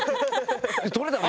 とれたの？